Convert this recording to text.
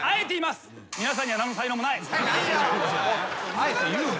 あえて言うな。